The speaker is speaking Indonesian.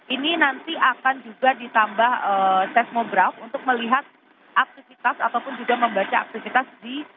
ini nanti akan juga ditambah seismograf untuk melihat aktivitas ataupun juga membaca aktivitas di